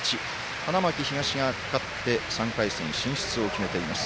花巻東が勝って３回戦進出を決めています。